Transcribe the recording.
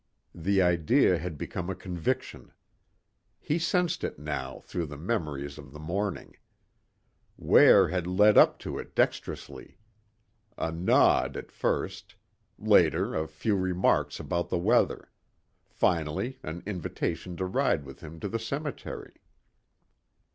The idea had become a conviction. He sensed it now through the memories of the morning. Ware had led up to it dexterously. A nod at first. Later a few remarks about the weather. Finally an invitation to ride with him to the cemetery.